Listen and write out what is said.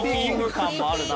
感もあるな。